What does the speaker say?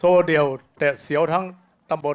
โชว์เดียวสิ่งเดียวทั้งตามบน